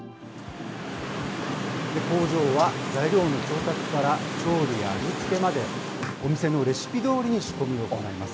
工場は材料の調達から調理や味付けまで、お店のレシピどおりに仕込みを行います。